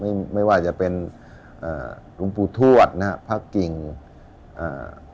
ไม่ไม่ว่าจะเป็นเอ่อลุงปูทวชนะฮะพระกิงเอ่อ